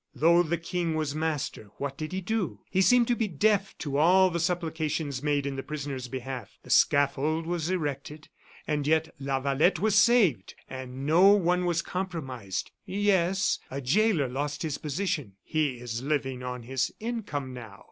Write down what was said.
Though the King was master, what did he do? He seemed to be deaf to all the supplications made in the prisoner's behalf. The scaffold was erected, and yet Lavalette was saved! And no one was compromised yes, a jailer lost his position; he is living on his income now."